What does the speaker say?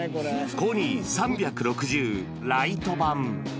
コニー３６０ライトバン。